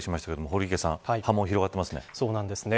堀池さん波紋が広がってますね。